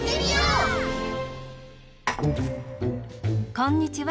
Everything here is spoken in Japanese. こんにちは。